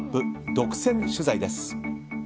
独占取材です。